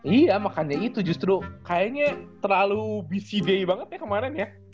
iya makanya itu justru kayaknya terlalu bc day banget ya kemarin ya